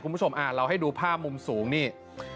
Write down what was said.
คุณผู้ชมเราให้ดูภาพมุมสูงนี่